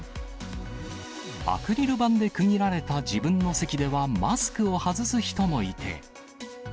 アクリル板で区切られた自分の席ではマスクを外す人もいて。